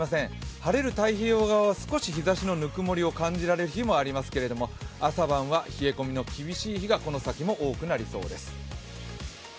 晴れる太平洋側は、少し日ざしのぬくもりを感じられるところもありますけれども、朝晩は冷え込みの厳しい日が、この先も多くなりそうです。